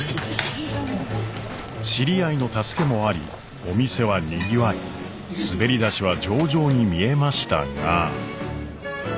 知り合いの助けもありお店はにぎわい滑り出しは上々に見えましたが。